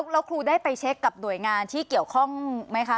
แล้วครูได้ไปเช็คกับหน่วยงานที่เกี่ยวข้องไหมคะ